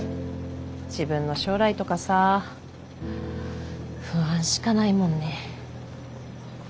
自分の将来とかさ不安しかないもんね。